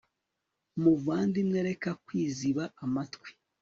muvandimwe, reka kwiziba amatwi